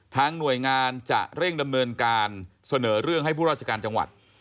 หน่วยงานจะเร่งดำเนินการเสนอเรื่องให้ผู้ราชการจังหวัด